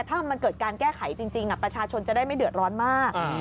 ถ้ามันเกิดการแก้ไขจริงประชาชนจะได้ไม่เดือดร้อนมาก